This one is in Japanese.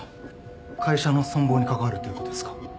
会社の存亡に関わるということですか？